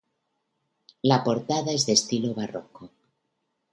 La portada es de estilo barroco.